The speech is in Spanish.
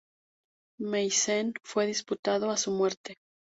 Meissen fue disputado a su muerte.